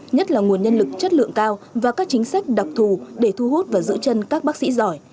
nhất là nguồn nhân lực chất lượng cao và các chính sách đặc thù để thu hút và giữ chân các bác sĩ giỏi